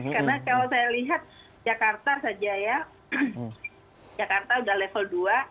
karena kalau saya lihat jakarta saja jakarta sudah level dua